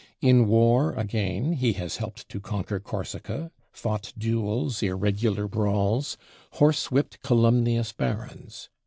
In War again, he has helped to conquer Corsica; fought duels, irregular brawls; horsewhipped calumnious barons.